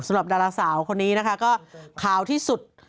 สำหรับดาราสาวคนนี้นะคะก็ขาวที่สุด